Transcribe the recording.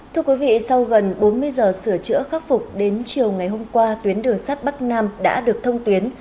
thưa quý vị sau gần bốn mươi giờ sửa chữa khắc phục đến chiều ngày hôm qua tuyến đường sắt bắc nam đã được thông tuyến